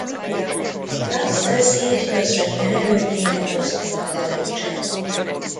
Ramszesz így közvetlen elődjének az unokaöccse.